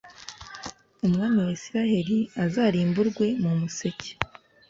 umwami wa Israheli azarimburwe, mumuseke